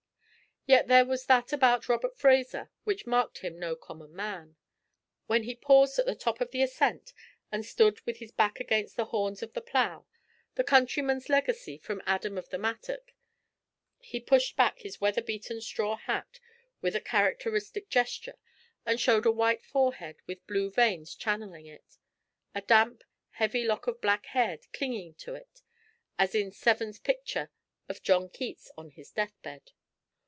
Yet there was that about Robert Fraser which marked him no common man. When he paused at the top of the ascent, and stood with his back against the horns of the plough, the countryman's legacy from Adam of the Mattock, he pushed back his weatherbeaten straw hat with a characteristic gesture, and showed a white forehead with blue veins channelling it a damp, heavy lock of black hair clinging to it as in Severn's picture of John Keats on his deathbed.